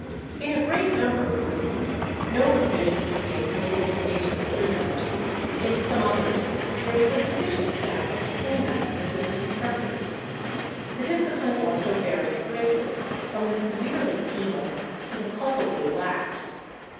In a great number of prisons no provision was made for the education of prisoners, in some others there was a sufficient staff of schoolmasters and instructors. The discipline also varied greatly, from the severely penal to the culpably lax.